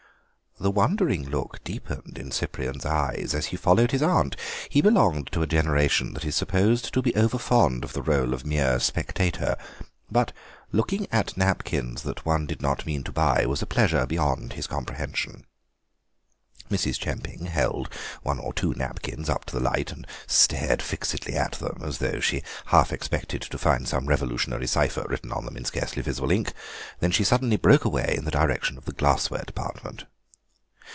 The wondering look deepened in Cyprian's eyes as he followed his aunt; he belonged to a generation that is supposed to be over fond of the rôle of mere spectator, but looking at napkins that one did not mean to buy was a pleasure beyond his comprehension. Mrs. Chemping held one or two napkins up to the light and stared fixedly at them, as though she half expected to find some revolutionary cypher written on them in scarcely visible ink; then she suddenly broke away in the direction of the glassware department.